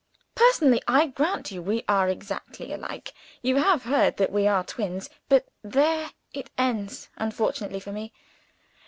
Personally, I grant you, we are exactly alike. (You have heard that we are twins?) But there it ends, unfortunately for _me.